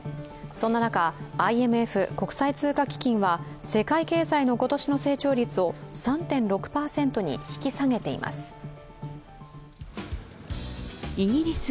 そんな中、ＩＭＦ＝国際通貨基金は世界経済の今年の成長率を３．６％に引き下げています。